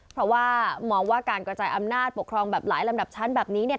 เพราะว่ามองว่าการกระจายอำนาจปกครองแบบหลายลำดับชั้นแบบนี้เนี่ย